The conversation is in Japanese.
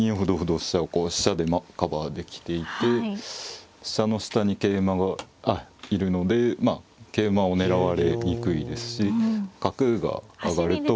同飛車をこう飛車でカバーできていて飛車の下に桂馬がいるので桂馬を狙われにくいですし角が上がると。